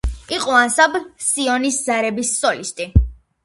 იყო ანსამბლ „სიონის ზარების“ სოლისტი.